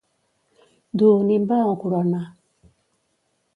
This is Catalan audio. Duu nimbe o corona.